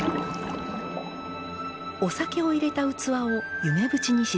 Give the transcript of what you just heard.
お酒を入れた器を夢淵に沈めます。